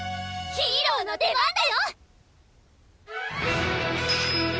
ヒーローの出番だよ！